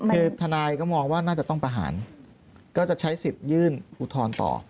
คือทนายก็มองว่าน่าจะต้องประหารก็จะใช้สิทธิ์ยื่นอุทธรณ์ต่อ